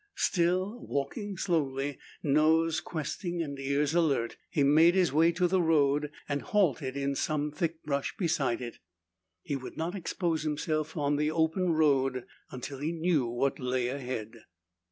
Still walking slowly, nose questing and ears alert, he made his way to the road and halted in some thick brush beside it. He would not expose himself on the open road until he knew what lay ahead.